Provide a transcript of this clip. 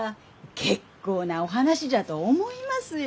結構なお話じゃと思いますよ。